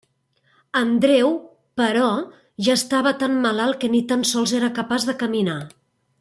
Andreu, però, ja estava tan malalt que ni tan sols era capaç de caminar.